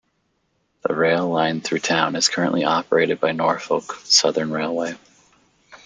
The rail line through town is currently operated by Norfolk Southern Railway.